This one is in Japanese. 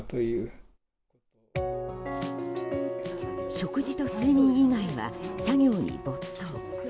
食事と睡眠以外は作業に没頭。